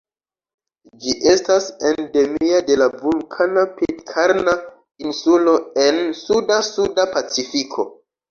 Ĝi estas endemia de la vulkana Pitkarna Insulo en suda Suda Pacifiko.